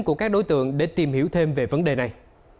của các đối tượng để tìm hiểu thêm về vấn đề này